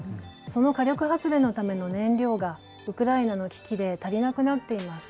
その火力発電のための燃料がウクライナの危機で足りなくなっています。